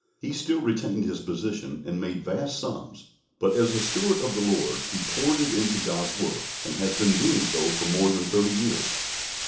He still retained his position, and made vast sums; but, as a steward of the Lord, he poured it into God's work, and has been doing so for more than thirty years.